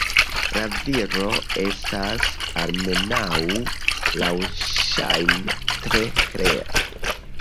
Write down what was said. La viro estas, almenaŭ laŭŝajne, tre klera.